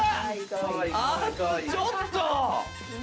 ちょっと！